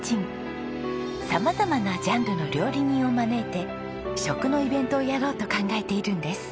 様々なジャンルの料理人を招いて食のイベントをやろうと考えているんです。